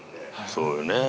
そうよね。